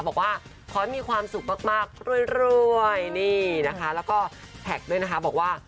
บอกว่าขอให้มีความสุขมากรวยนี่นะคะแล้วก็แท็กด้วยนะคะบอกว่า